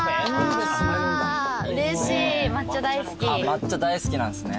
抹茶大好きなんすね。